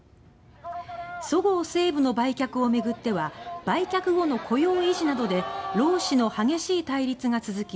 「そごう・西武」の売却を巡っては売却後の雇用維持などで労使の激しい対立が続き